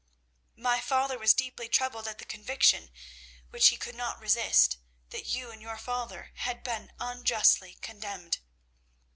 "My father was deeply troubled at the conviction, which he could not resist, that you and your father had been unjustly condemned.